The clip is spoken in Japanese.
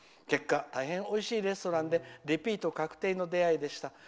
結果、大変おいしいレストランでリピート確定でした。